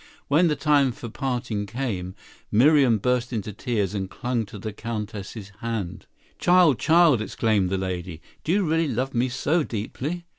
When the time for parting came, Miriam burst into tears and clung to the Countess's hand. "Child! Child!" exclaimed the lady, "do you really love me so deeply?"